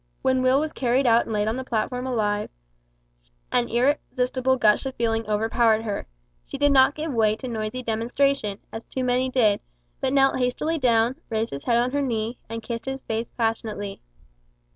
When Will was carried out and laid on the platform alive, an irresistible gush of feeling overpowered her. She did not give way to noisy demonstration, as too many did, but knelt hastily down, raised his head on her knee, and kissed his face passionately.